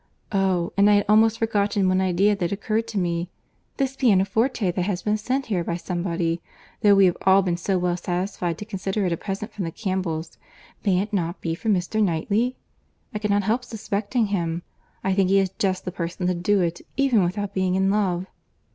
Oh! and I had almost forgotten one idea that occurred to me—this pianoforte that has been sent here by somebody—though we have all been so well satisfied to consider it a present from the Campbells, may it not be from Mr. Knightley? I cannot help suspecting him. I think he is just the person to do it, even without being in love."